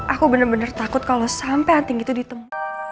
aku bener bener takut kalau sampai hunting itu ditemu